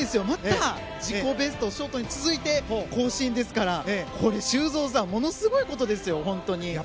また自己ベストをショートに続いて更新ですからこれ、修造さんものすごいことですよ、本当に。